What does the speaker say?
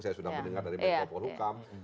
saya sudah mendengar dari menko polhukam